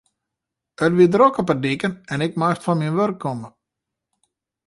It wie drok op de diken en ik moast fan myn wurk komme.